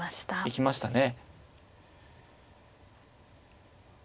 行きましたね。